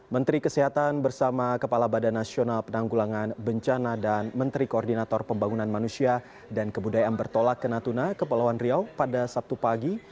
menteri kesehatan bersama kepala badan nasional penanggulangan bencana dan menteri koordinator pembangunan manusia dan kebudayaan bertolak ke natuna kepulauan riau pada sabtu pagi